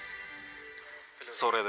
「それで？